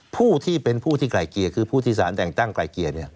ผู้ที่เป็นผู้ที่ไกลเกลี่ยคือผู้ที่สารแต่งตั้งไกลเกลี่ย